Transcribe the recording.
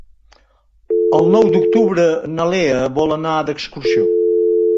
El nou d'octubre na Lea vol anar d'excursió.